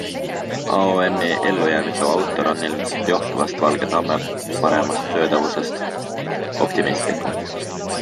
AoM'i ellujäämisloo autor on - ilmselt johtuvalt valge tamme paremast söödavusest - optimistlikum.